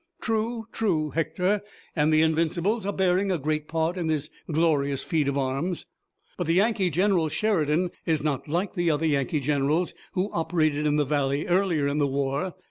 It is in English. "True, true, Hector, and the Invincibles are bearing a great part in this glorious feat of arms! But the Yankee general, Sheridan, is not like the other Yankee generals who operated in the valley earlier in the war.